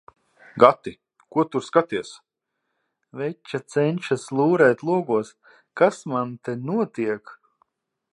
Gati, ko tur skaties? Veča cenšas lūrēt logos, kas man te notiek.